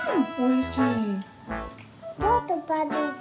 おいしい？